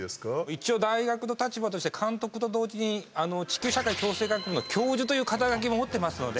一応、大学の立場として監督と同時に地球社会共生学部の教授という肩書きも持ってますので。